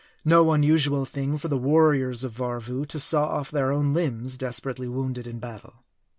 No unusual thing, for the warriors of Varvoo to saw off their own limbs, desperately wounded in battle.